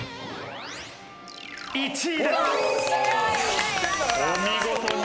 １位です。